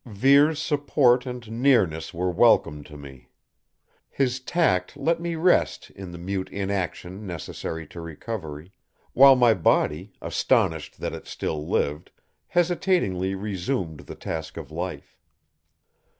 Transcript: Vere's support and nearness were welcome to me. His tact let me rest in the mute inaction necessary to recovery, while my body, astonished that it still lived, hesitatingly resumed the task of life.